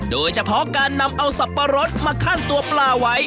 โดยเฉพาะการนำเอาสับปะรดมาขั้นตัวปลาไว้